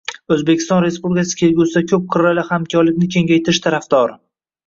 O'zbekiston Respublikasi kelgusida ko'p qirrali hamkorlikni kengaytirish tarafdori